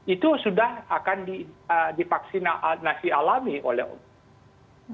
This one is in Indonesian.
itu sudah akan dipaksinasi alami oleh omikron